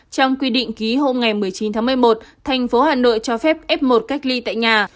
trong quy định ký hôm một mươi chín tháng một mươi một thành phố hà nội cho phép f một cách ly tại nhà